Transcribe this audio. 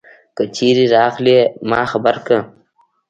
که چیری راغلي ما خبر که